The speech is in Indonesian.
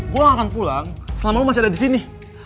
gue gak akan pulang selama lo masih ada di sini